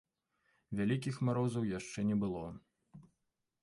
Вялікіх марозаў яшчэ не было.